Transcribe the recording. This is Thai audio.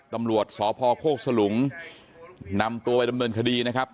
ตำรวจสพโคกสลุงนำตัวไปดำเนินคดีนะครับ